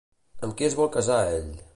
Amb qui es vol casar ell?